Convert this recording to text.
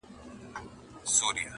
o خپل عېب د اوږو منځ دئ!